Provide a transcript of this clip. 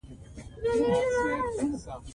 آب وهوا د افغانستان د سیلګرۍ برخه ده.